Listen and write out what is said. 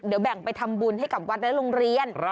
เดี๋ยวแบ่งไปทำบุญให้กับวัดและโรงเรียน